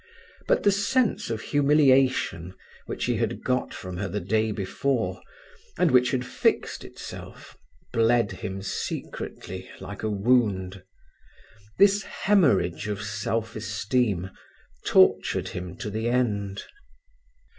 But the sense of humiliation, which he had got from her the day before, and which had fixed itself, bled him secretly, like a wound. This haemorrhage of self esteem tortured him to the end.